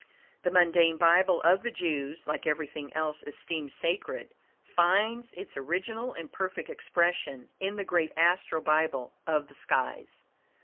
The mundane Bible of the Jews, like everything else esteemed sacred, finds its original and perfect expression in the great Astral Bible of the skies.